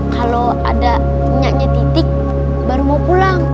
kalo ada punyanya titik baru mau pulang